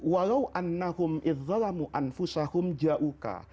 walau annahum idh zalamu anfusahum ja'uka